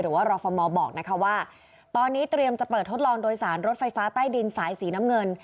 รอฟมบอกนะคะว่าตอนนี้เตรียมจะเปิดทดลองโดยสารรถไฟฟ้าใต้ดินสายสีน้ำเงิน